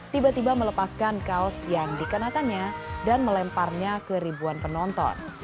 tiba tiba melepaskan kaos yang dikenakannya dan melemparnya ke ribuan penonton